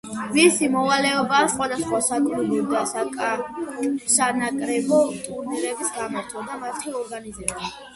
მისი მოვალეობაა სხვადასხვა საკლუბო და სანაკრებო ტურნირების გამართვა და მათი ორგანიზება.